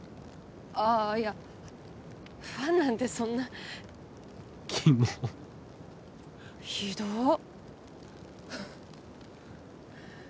ああいやファンなんてそんなキモっひどっ